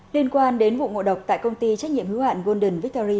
liên quan đến vụ ngộ độc tại công ty trách nhiệm hữu hạn golden victory